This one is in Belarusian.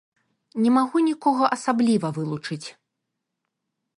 Не магу нікога асабліва вылучыць.